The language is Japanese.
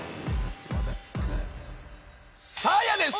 サーヤです！